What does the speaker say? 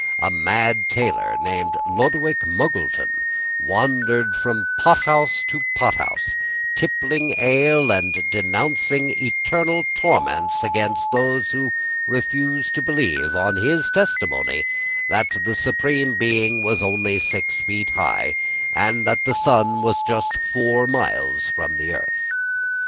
A mad tailor, named Lodowick Muggleton, wandered from pothouse to pothouse, tippling ale, and denouncing eternal torments against those who refused to believe, on his testimony, that the Supreme Being was only six feet high, and that the sun was just four miles from the earth.